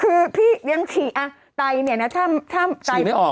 คือพี่ยังฉี่อ่ะไตเนี่ยนะถ้าไตไม่ออก